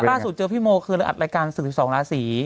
ล่าสู่เจอพี่โมคืออัดรายการสื่อสองลาศรี